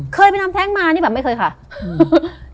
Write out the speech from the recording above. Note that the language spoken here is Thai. เคยไปทำแท้งมานี่แบบไม่เคยค่ะ